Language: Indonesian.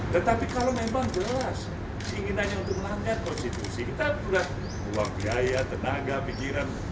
tetapi kalau memang jelas keinginannya untuk melanggar konstitusi kita sudah buang biaya tenaga pikiran